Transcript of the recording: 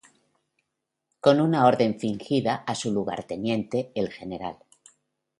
Con una orden fingida a su lugarteniente el Gral.